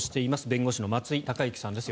弁護士の松井孝之さんです。